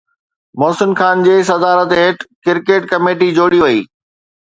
محسن خان جي صدارت هيٺ ڪرڪيٽ ڪميٽي جوڙي وئي